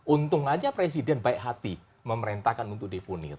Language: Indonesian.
untung aja presiden baik hati memerintahkan untuk dipunir